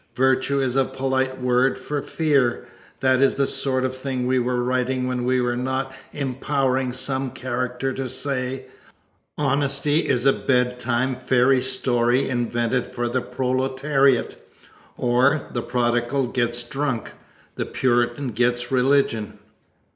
"Virtue is a polite word for fear," that is the sort of thing we were writing when we were not empowering some character to say, "Honesty is a bedtime fairy story invented for the proletariat," or "The prodigal gets drunk; the Puritan gets religion."